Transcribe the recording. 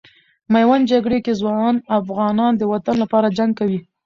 میوند جګړې کې ځوان افغانان د وطن لپاره جنګ کوي.